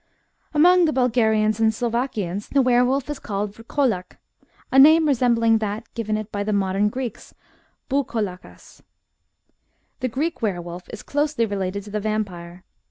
Among the Bulgarians and Slovakians the were wolf is called vrkolak, a name resembling that given it by the modem Greeks ^pvKoXaKag The Greek were wolf is closely related to the vampire.